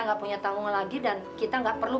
nggak punya tanggungan lagi dan kita nggak perlu